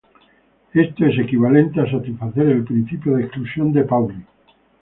Esto es equivalente a satisfacer el principio de exclusión de Pauli.